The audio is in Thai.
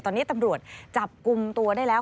ตอนนี้ตำรวจจับกลุ่มตัวได้แล้ว